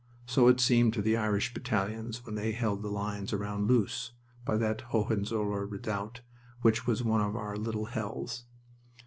So it seemed to the Irish battalions when they held the lines round Loos, by that Hohenzollern redoubt which was one of our little hells.